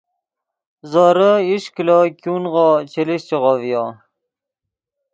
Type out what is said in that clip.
زورے ایش کلو ګونغو چے لیشچیغو ڤیو